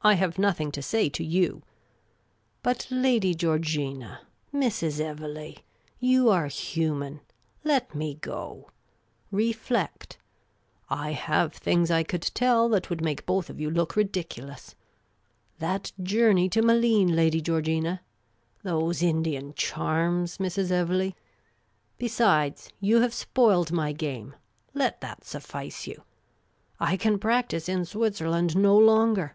I have nothing to say to you. But Lady Georgina, Mrs. Evelegh — you are human — let me go ! Reflect ; I have things I could tell that would make both of you look ridiculous. That journey to Malines, Lady Georgina ! Those Indian charms, Mrs. Evelegh ! Besides you have spoiled my game. Let that suffice you ! I can practise in Switzerland no longer.